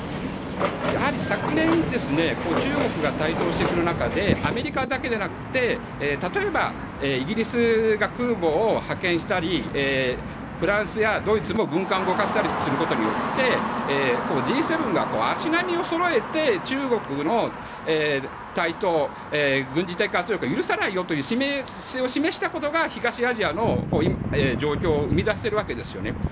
やはり昨年中国が台頭してくる中でアメリカだけじゃなくて、例えばイギリスが空母を派遣したりフランスやドイツも軍艦を動かしたりすることによってＧ７が足並みをそろえて中国の台頭軍事的圧力を許さないよという姿勢を示したことが東アジアの状況を生み出しているわけです。